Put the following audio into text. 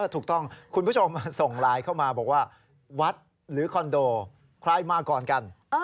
ถูกต้องคุณผู้ชมส่งไลน์เข้ามาบอกว่าวัดหรือคอนโดใครมาก่อนกัน